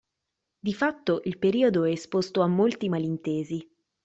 Di fatto, il periodo è esposto a molti malintesi.